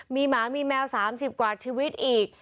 มีหมามีแมว๓๐กว่าชีวิตอีก